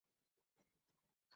Ticket book করেছিস?